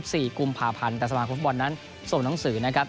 กศนั้นกำลังแทรกแสงการทำงานของสมาคมฟุตบอลครับ